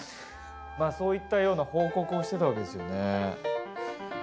まあそういったような報告をしてたわけですよね。